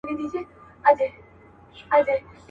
ذخیرې مي کړلې ډیري شین زمری پر جنګېدمه.